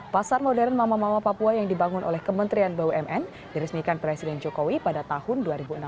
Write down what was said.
pasar modern mama mama papua yang dibangun oleh kementerian bumn diresmikan presiden jokowi pada tahun dua ribu enam belas